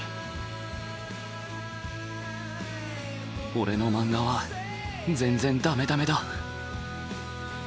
俺の漫画は全然ダメダメだ。